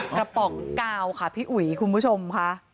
ป๋องกาวค่ะพี่อุ๋ยคุณผู้ชมค่ะ